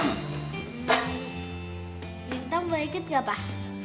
lintang boleh ikut gak pak